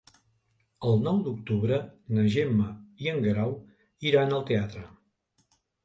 El nou d'octubre na Gemma i en Guerau iran al teatre.